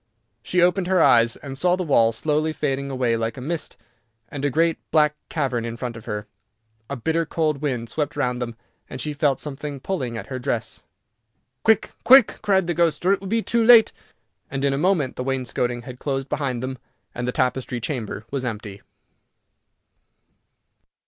She opened her eyes, and saw the wall slowly fading away like a mist, and a great black cavern in front of her. A bitter cold wind swept round them, and she felt something pulling at her dress. "Quick, quick," cried the Ghost, "or it will be too late," and in a moment the wainscoting had closed behind them, and the Tapestry Chamber was empty.